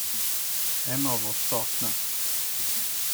En av oss saknas.